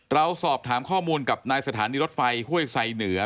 เราสอบถามข้อมูลกับนายสถานีรถไฟห้วยไซเหนือ